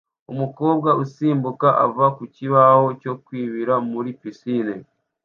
Umukobwa usimbuka ava ku kibaho cyo kwibira muri pisine